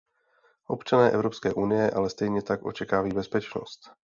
Občané v Evropské unii ale stejně tak očekávají bezpečnost.